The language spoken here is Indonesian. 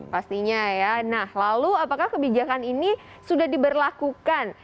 pastinya ya nah lalu apakah kebijakan ini sudah diberlakukan